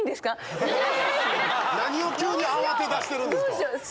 何を急に慌ててるんすか！